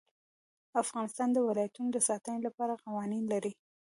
افغانستان د ولایتونو د ساتنې لپاره قوانین لري.